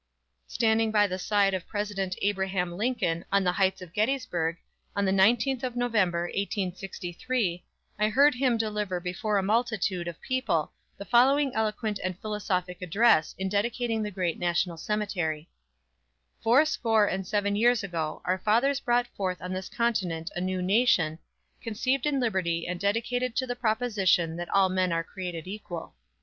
Standing by the side of PRESIDENT ABRAHAM LINCOLN on the heights of Gettysburg, on the 19th of November, 1863, I heard him deliver before a multitude of people the following eloquent and philosophic address in dedicating the great National Cemetery: "Four score and seven years ago our fathers brought forth on this continent a new nation, conceived in liberty and dedicated to the proposition that all men are created equal.